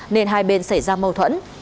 nên hai bên xảy ra mâu thuẫn